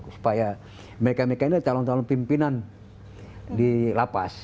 supaya mereka mereka ini adalah calon calon pimpinan di lapas